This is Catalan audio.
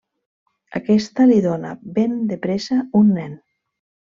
Aquesta li dóna ben de pressa un nen.